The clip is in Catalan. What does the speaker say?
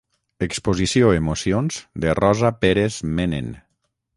Exposició Emocions de Rosa Pérez Menen